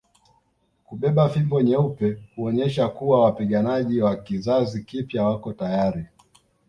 Kubeba fimbo nyeupe huonyesha kuwa wapiganaji wa kizazi kipya wako tayari